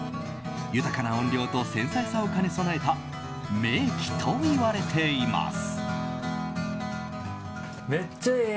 豊かな音量と繊細さを兼ね備えた名器といわれています。